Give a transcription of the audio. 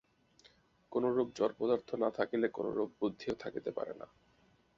কোনরূপ জড় পদার্থ না থাকিলে কোনরূপ বুদ্ধিও থাকিতে পারে না।